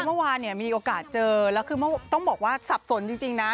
เพราะว่ามีโอกาสเจอแล้วคือต้องบอกว่าสับสนจริงนะ